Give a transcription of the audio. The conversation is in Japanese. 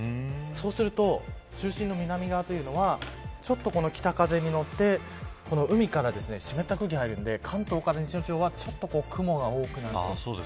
そうすると中心の南側というのはちょっとこの北風に乗って海から湿った空気が入るので関東から西の地方はちょっと雲が多くなる。